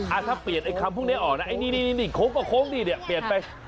อ่ะถ้าเปลี่ยนไอ้คำพวกนี้ออกนะไอ้นี่โค้กก็โค้กดีเดี๋ยวเปลี่ยนไป